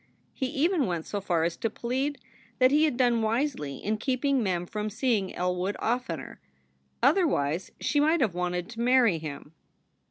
He even went so far as to plead that he had done wisely in keeping Mem from seeing Elwood oftener; otherwise she might have wanted to marry him.